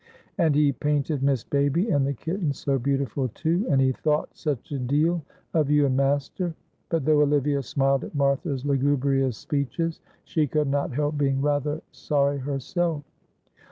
And he painted Miss Baby and the kitten so beautiful too; and he thought such a deal of you and master." But though Olivia smiled at Martha's lugubrious speeches, she could not help being rather sorry herself.